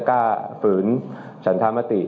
กล้าฝืนสันธรรมติ